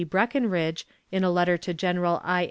Breckinridge, in a letter to General I.